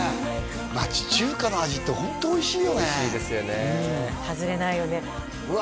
町中華の味ってホントおいしいよねおいしいですよね外れないよねうわ